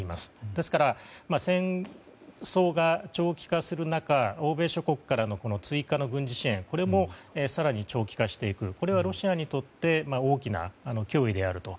ですから、戦争が長期化する中欧米諸国からの追加の軍事支援これも更に長期化していくこれはロシアにとって大きな脅威であると。